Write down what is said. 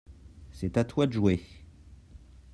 c'est à toi de jouer.